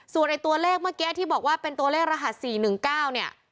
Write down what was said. ส่วนไอ้ตัวเลขเมื่อกี้ที่บอกว่าเป็นตัวเลขรหัส๔๑๙เนี่ย